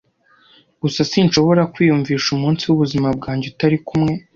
Gusa sinshobora kwiyumvisha umunsi w'ubuzima bwanjye utari kumwe ...